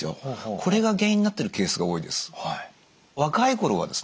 これが原因になっているケースが多いです。